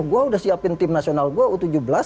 gue udah siapin tim nasional gue u tujuh belas